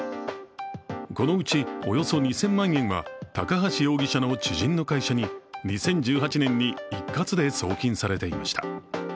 このうちおよそ２０００万円は高橋容疑者の知人の会社に２０１８年に一括で送金されていました。